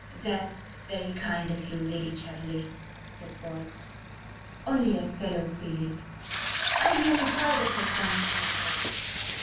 "That's very kind of you, Lady Chudley," said Paul. "Only a fellow feeling. I nearly died of it once myself.